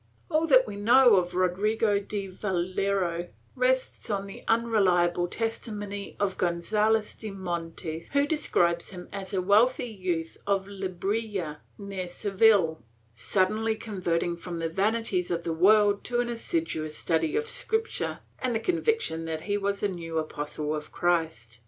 All that we know of Rodrigo de Valero rests on the imreliable testimony of Gonzalez de Montes, who describes him as a wealthy youth of Lebrija, near Seville, suddenly converted from the vanities of the world to an assiduous study of Scripture and the conviction that he was a new apostle of Christ.